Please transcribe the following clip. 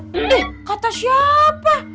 dih kata siapa